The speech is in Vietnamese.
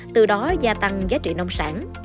từ đó gia tăng giá trị nông sản